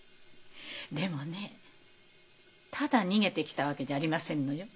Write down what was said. でもねただ逃げてきたわけじゃありませんのよ。